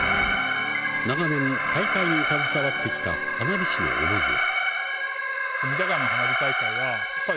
長年、大会に携わってきた花火師の思いは。